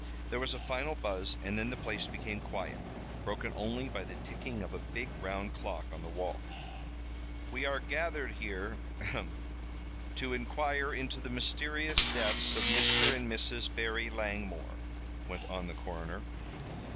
There was a final buzz and then the place became quiet, broken only by the ticking of a big round clock on the wall. "We are gathered here ahem! to inquire into the mysterious deaths of Mr. and Mrs. Barry Langmore," went on the coroner.